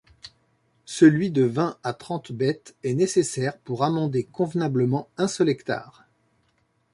Celui de vingt à trente bêtes est nécessaire pour amender convenablement un seul hectare.